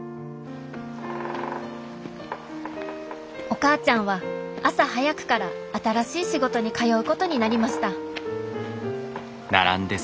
お母ちゃんは朝早くから新しい仕事に通うことになりました